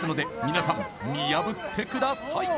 皆さん見破ってください